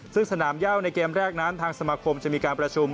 ซึ่งสนามย่าวในเกมแรกนั้นทางสมาคมจะมีการประชุม